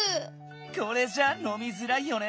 これじゃあのみづらいよね。